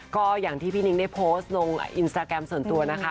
ก็อย่างที่พี่นิ้งได้โพสต์ลงอินสตาแกรมส่วนตัวนะคะ